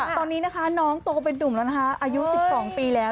ตอนนี้นะคะน้องโตเป็นนุ่มแล้วนะคะอายุ๑๒ปีแล้ว